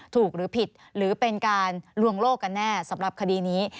หรือผิดหรือเป็นการลวงโลกกันแน่สำหรับคดีนี้